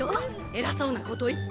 偉そうなこと言って。